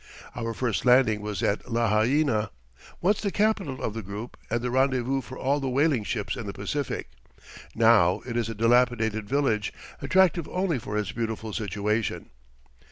Our first landing was at Lahaina, once the capital of the group and the rendezvous for all the whaling ships in the Pacific. Now it is a dilapidated village, attractive only for its beautiful situation.